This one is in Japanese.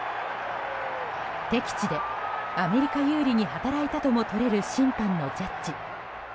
敵地でアメリカ有利に働いたともとれる審判のジャッジ。